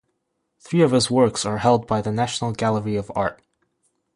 Three of his works are held by the National Gallery of Art.